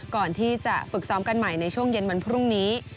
ก่อนที่จะฝึกซ้อมกันใหม่ในช่วงเย็นวันพรุ่งนี้